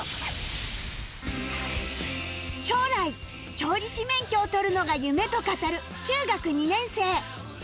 将来調理師免許を取るのが夢と語る中学２年生